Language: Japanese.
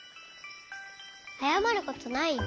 あやまることないよ。